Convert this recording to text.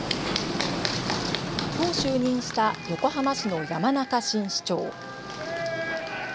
きょう就任した横浜市の山中新市長。